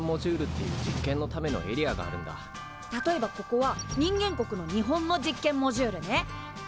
例えばここは人間国の日本の実験モジュールね。